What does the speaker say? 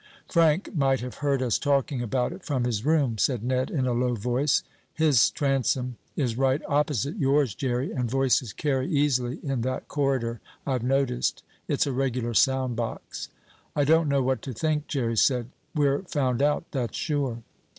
"Frank might have heard us talking about it from his room," said Ned in a low voice. "His transom is right opposite yours, Jerry, and voices carry easily in that corridor, I've noticed. It's a regular sound box." "I don't know what to think," Jerry said. "We're found out, that's sure."